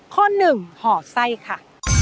ข้อหนึ่งห่อไส้ค่ะ